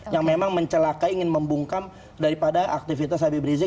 yang memang mencelaka ingin membungkam daripada aktivitas habib rizik